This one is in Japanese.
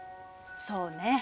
そうね。